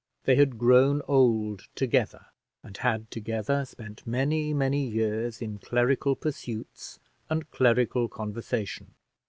They had grown old together, and had together spent many, many years in clerical pursuits and clerical conversation.